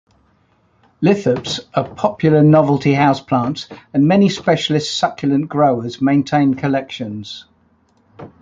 "Lithops" are popular novelty house plants and many specialist succulent growers maintain collections.